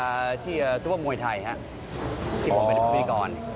ขึ้นชกที่ซุปเปอร์มวยไทยครับที่ผมเป็นผู้พิกรใช่ครับ